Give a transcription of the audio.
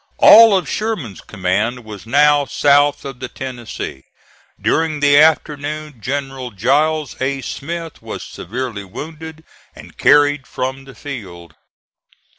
All of Sherman's command was now south of the Tennessee. During the afternoon General Giles A. Smith was severely wounded and carried from the field.